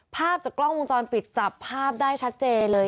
ภาพจากกล้องวงจรปิดจับภาพได้ชัดเจนเลย